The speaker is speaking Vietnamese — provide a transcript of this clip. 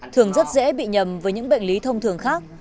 thường rất dễ bị nhầm với những bệnh lý thông thường khác